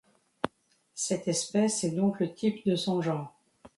Cette espèce est donc le type de son genre.